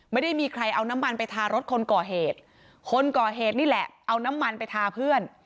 ไม่ได้มีใครเอาน้ำมันไปทารถคนก่อเหตุคนก่อเหตุนี่แหละเอาน้ำมันไปทาเพื่อน